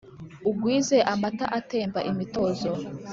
ugwize amata atemba imitozo